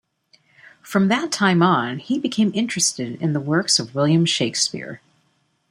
From that time on he became interested in the works of William Shakespeare.